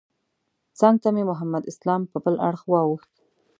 څنګ ته مې محمد اسلام په بل اړخ واوښت.